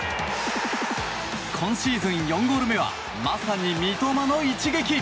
今シーズン４ゴール目はまさに三笘の一撃。